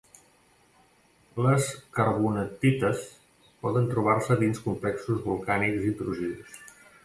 Les carbonatites poden trobar-se dins complexos volcànics intrusius.